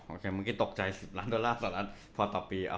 อ๋อโอเคเมื่อกี้ตกใจ๑๐ล้านดอลลาร์สละต่อปี